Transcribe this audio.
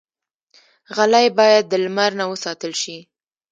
غلۍ باید د لمر نه وساتل شي.